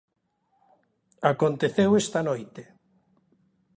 Aconteceu esta noite.